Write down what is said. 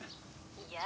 いや。